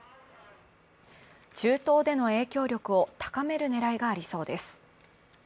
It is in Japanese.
中東での影響力を高める狙いがありそうです。